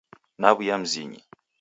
Naw'uya Mzinyi